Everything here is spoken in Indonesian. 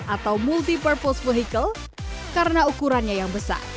atau multi purpose vehicle karena ukurannya yang besar